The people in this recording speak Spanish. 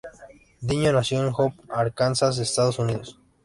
Dillon nació en Hope, Arkansas, Estados Unidos.